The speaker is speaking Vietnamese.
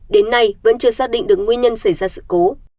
đến nay vẫn chưa xác định được nguyên nhân xảy ra sự cố